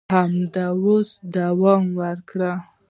همداسې دوام وکړي